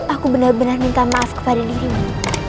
aku benar benar minta maaf kepada dirimu